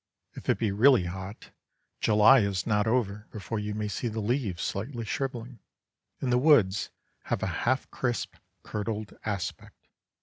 If it be really hot, July is not over before you may see the leaves slightly shrivelling, and the woods have a half crisp, curdled aspect.